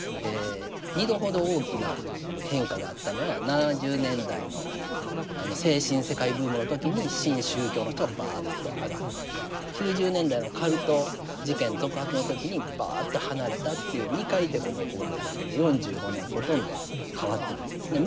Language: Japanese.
二度ほど大きな変化があったのは７０年代のあの精神世界ブームの時に新宗教の人がバーッと上がって９０年代のカルト事件続発の時にバーッと離れたという２回凸凹があるだけで４５年ほとんど変わってないんですね。